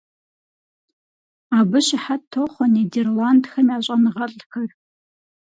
Абы щыхьэт тохъуэ Нидерландхэм я щӀэныгъэлӀхэр.